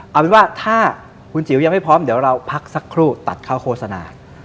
เอาเป็นว่าถ้าคุณจิ๋วยังไม่พร้อมเดี๋ยวเราพักสักครู่ตัดเข้าโฆษณา